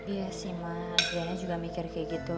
iya sih mah adriana juga mikir kayak gitu